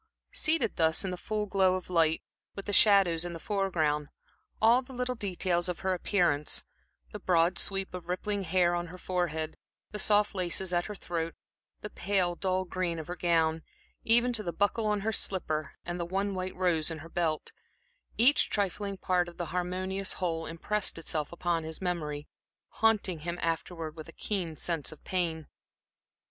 Seated thus in the full glow of light, with the shadows in the foreground, all the little details of her appearance the broad sweep of rippling hair on her forehead, the soft laces at her throat, the pale, dull green of her gown, even to the buckle on her slipper, and the one white rose in her belt each trifling part of the harmonious whole, impressed itself on his memory, haunting him afterwards with a keen sense of pain.